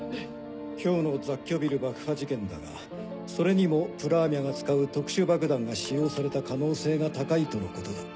今日の雑居ビル爆破事件だがそれにもプラーミャが使う特殊爆弾が使用された可能性が高いとのことだ。